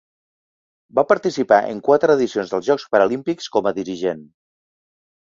Va participar en quatre edicions dels Jocs Paralímpics com a dirigent.